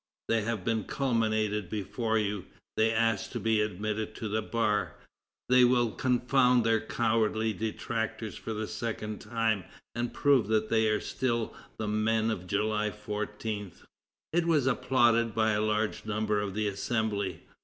They have been calumniated before you; they ask to be admitted to the bar; they will confound their cowardly detractors for the second time, and prove that they are still the men of July 14." It was applauded by a large number of the Assembly.